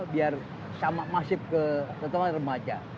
biar sama masif ke contohnya remaja